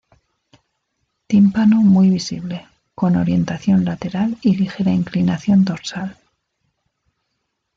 Tímpano muy visible, con orientación lateral y ligera inclinación dorsal.